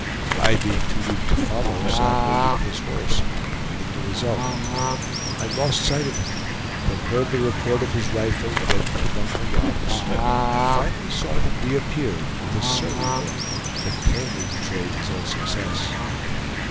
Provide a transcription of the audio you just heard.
I, being too weak to follow, sat holding his horse and waiting the result. I lost sight of him, then heard the report of his rifle, deadened among the rocks, and finally saw him reappear, with a surly look that plainly betrayed his ill success.